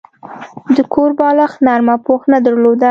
د کور بالښت نرمه پوښ نه درلوده.